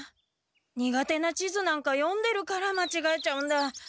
苦手な地図なんか読んでるからまちがえちゃうんだ。